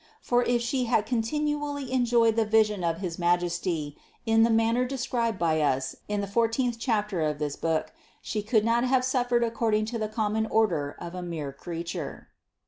For if She had continually enjoyed the vision of his Majesty in the manner described by us in the fourteenth chapter of this book, She could not have suffered according to the common order of a mere creature.